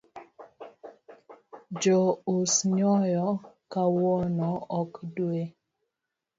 Jo us nyoyo kawuono ok dew.